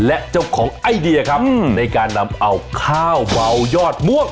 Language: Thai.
และเจ้าของไอเดียครับในการนำเอาข้าวเบายอดม่วง